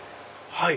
はい。